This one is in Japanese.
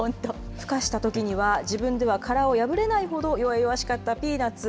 ふ化したときには自分では殻を破れないほど弱々しかったピーナツ。